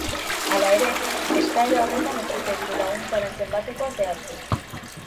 Hala ere, eskaera horretan ez dute diru-laguntzaren zenbatekoa zehaztu.